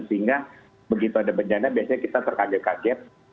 sehingga begitu ada bencana biasanya kita terkaget kaget